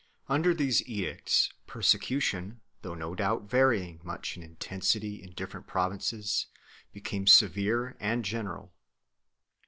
Under these edicts, persecution, though no doubt varying much in intensity in different provinces, became severe and general.